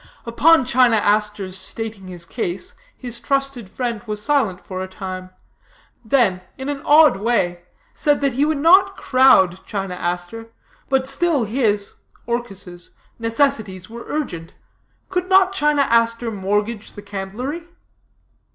"Upon China Aster's stating his case, his trusted friend was silent for a time; then, in an odd way, said that he would not crowd China Aster, but still his (Orchis') necessities were urgent. Could not China Aster mortgage the candlery?